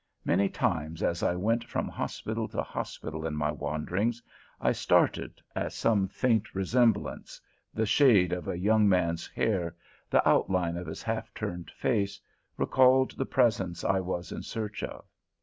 Many times as I went from hospital to hospital in my wanderings, I started as some faint resemblance, the shade of a young man's hair, the outline of his half turned face, recalled the presence I was in search of.